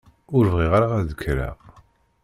Ur bɣiɣ ara ad d-kkreɣ!